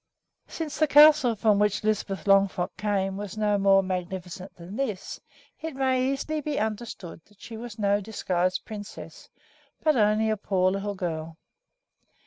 Since the castle from which Lisbeth Longfrock came was no more magnificent than this, it may easily be understood that she was no disguised princess, but only a poor little girl.